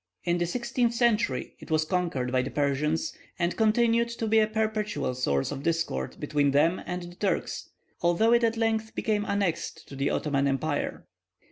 In the sixteenth century it was conquered by the Persians, and continued to be a perpetual source of discord between them and the Turks, although it at length became annexed to the Ottoman Empire.